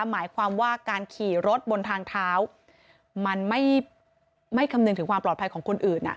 หมายความว่าการขี่รถบนทางเท้ามันไม่คำนึงถึงความปลอดภัยของคนอื่น